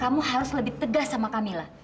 kamu harus lebih tegas sama camilla